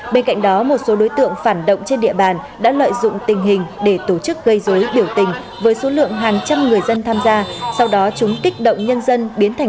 bên cạnh đó một số đối tượng phản động trên địa bàn đã lợi dụng tình hình để tổ chức gây dối biểu tình với số lượng hàng trăm người dân tham gia